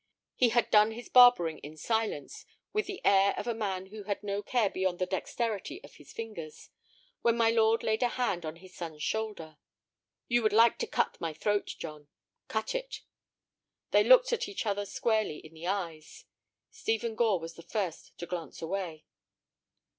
He had done his barbering in silence, with the air of a man who had no care beyond the dexterity of his fingers, when my lord laid a hand on his son's shoulder. "You would like to cut my throat, John. Cut it." They looked at each other squarely in the eyes. Stephen Gore was the first to glance away.